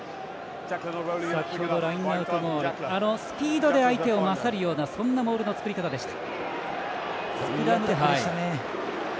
先ほどラインアウトボールスピードで相手を勝るようなそんなモールの作り方でした。